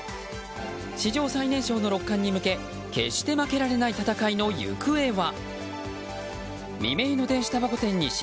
史上最年少の六冠に向け決して負けられない戦いの行方は？